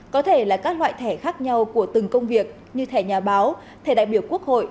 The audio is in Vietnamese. có thể là các loại thẻ khác nhau của từng công việc như thẻ nhà báo thẻ đại biểu quốc hội